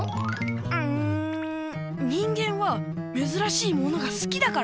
うん人間はめずらしいものがすきだから！